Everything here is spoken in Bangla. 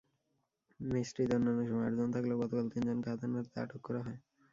মেসটিতে অন্যান্য সময় আটজন থাকলেও গতকাল তিনজনকে হাতেনাতে আটক করা হয়।